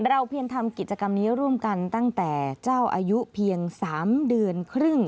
เพียงทำกิจกรรมนี้ร่วมกันตั้งแต่เจ้าอายุเพียง๓เดือนครึ่ง